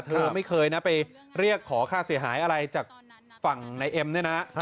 เธอไม่เคยนะไปเรียกขอค่าเสียหายอะไรจากฝั่งในเอ็มเนี่ยนะ